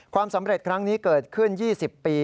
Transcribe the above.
ความสำเร็จครั้งนี้เกิดขึ้น๒๐ปี